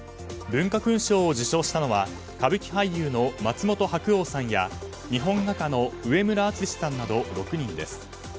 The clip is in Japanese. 文化勲章を受章したのは歌舞伎俳優の松本白鸚さんや日本画家の上村淳之さんなど６人です。